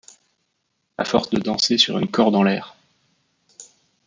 A force de danser sur une corde en l'air ;